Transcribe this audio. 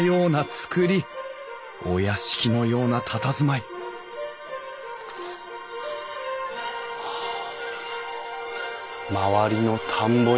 お屋敷のようなたたずまいはあ周りの田んぼに立派な建物。